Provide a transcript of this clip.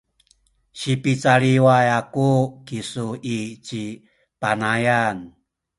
sipicaliway aku kisu i ci Panayan